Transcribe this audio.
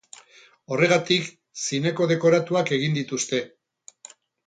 Horregatik zineko dekoratuak egin dituzte.